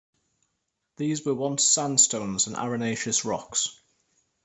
These were once sandstones and arenaceous rocks.